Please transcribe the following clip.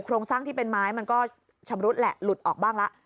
โรงสร้างที่เป็นไม้มันก็ชำรุดแหละหลุดออกบ้างละ